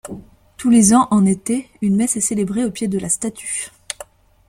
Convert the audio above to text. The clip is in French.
Tous les ans, en été, une messe est célébrée au pied de la statue.